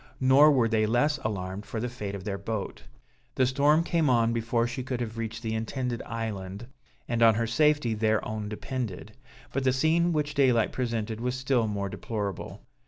Nor were they less alarmed for the fate of their boat. The storm came on before she could have reached the intended island, and on her safety their own depended. But the scene which daylight presented was still more deplorable.